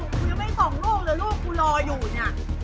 กูยังไม่ส่องลูกเดี๋ยวก็ลีกลูกกูรออยู่เนี่ย